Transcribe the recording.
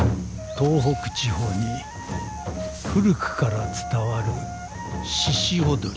東北地方に古くから伝わるしし踊り。